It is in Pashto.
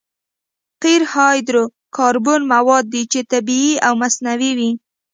قیر هایدرو کاربن مواد دي چې طبیعي او مصنوعي وي